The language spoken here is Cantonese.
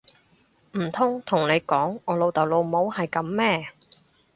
唔通同你講我老豆老母係噉咩！